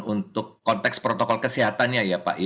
untuk konteks protokol kesehatannya ya pak